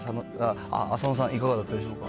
浅野さん、いかがだったでしょうか。